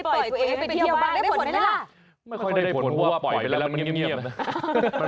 ตอนนี้ที่ทำค่อนข้างอาทิตย์จะได้ปล่อยตัวเองไปเที่ยวบ้าง